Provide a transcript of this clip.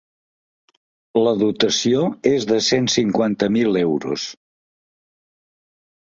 La dotació és de cent cinquanta mil euros.